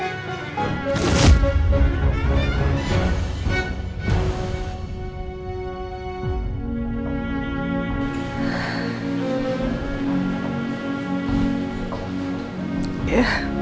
jangan lupa untuk berikan dukungan di kolom komentar